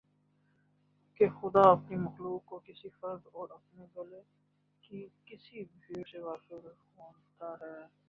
کہ خدا اپنی مخلوق کے کسی فرد اور اپنے گلے کی کسی بھیڑ سے غافل ہوتا ہے